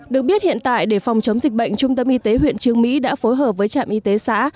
được biết hiện tại để phòng chống dịch bệnh trung tâm y tế huyện trương mỹ đã phối hợp với trạm y tế xã